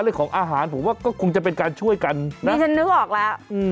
เรื่องของอาหารผมว่าก็คงจะเป็นการช่วยกันนะดิฉันนึกออกแล้วอืม